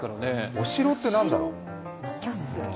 お城って何だろう？